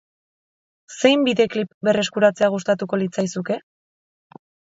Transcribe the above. Zein bideklip berreskuratzea gustatuko litzaizuke?